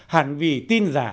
hẳn vì tin giả